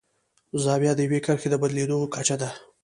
زاویه د یوې کرښې د بدلیدو کچه ده.